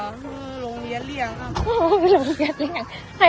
โรงเรียนเลี้ยงครับโรงเรียนเลี้ยงให้ใครเลี้ยงนะ